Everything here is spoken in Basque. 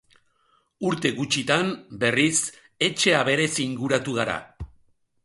Urte gutxitan berriz etxe-aberez inguratu gara.